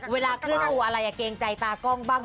เวลาเคลื่อนตัวอะไรเกรงใจตากล้องบ้าง